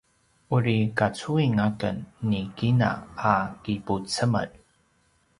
uri kacuin aken ni kina a kipucemel